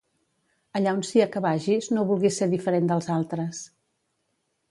Allí on sia que vagis, no vulguis ser diferent dels altres.